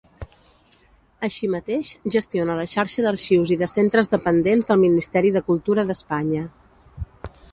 Així mateix, gestiona la xarxa d'arxius i de centres dependents del Ministeri de Cultura d'Espanya.